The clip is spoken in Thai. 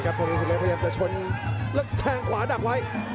ตรงนี้สุดเล็กพยายามจะชนแล้วแทงขวาดักไว้